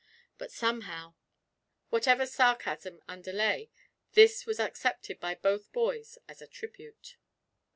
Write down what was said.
but somehow, whatever sarcasm underlay this was accepted by both boys as a tribute.